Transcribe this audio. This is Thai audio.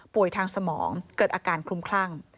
ทางสมองเกิดอาการคลุมคลั่ง